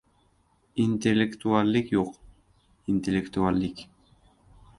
Intellektuallik yo‘q, intellektuallik!